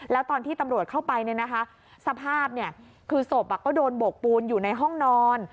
แล้วตอนที่ตำรวจเข้าไปสภาพคือศพก็โดนโบกปูนอยู่ในห้องนอน